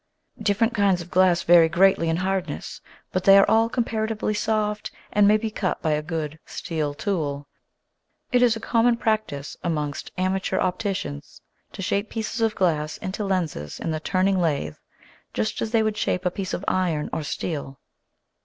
Different kinds of glass vary greatly in hardness, but they are all comparatively soft and may be cut by a good steel tool. It is a common practice amongst amateur 215 2l6 THE SEVEN FOLLIES OF SCIENCE opticians to shape pieces of glass into lenses in the turning lathe just as they would shape a piece of iron or steel.